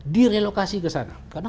direlokasi kesana karena